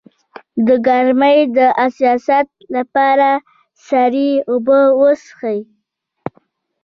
د ګرمۍ د حساسیت لپاره سړې اوبه وڅښئ